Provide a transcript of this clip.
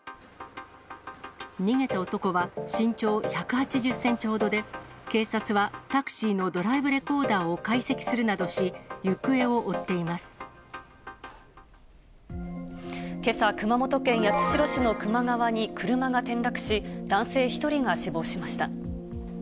逃げた男は身長１８０センチほどで、警察はタクシーのドライブレコーダーを解析するなどし、行方を追けさ、熊本県八代市の球磨川に車が転落し、男性１人が死亡しました。